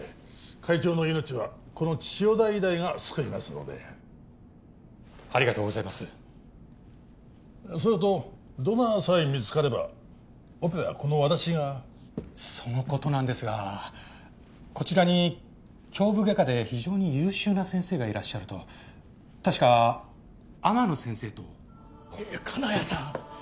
会長の命はこの千代田医大が救いますのでありがとうございますそれとドナーさえ見つかればオペはこの私がそのことなんですがこちらに胸部外科で非常に優秀な先生がいらっしゃると確か天野先生といや金谷さん！